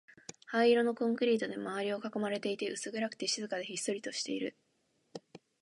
灰色のコンクリートで周りを囲まれていて、薄暗くて、静かで、ひっそりとしている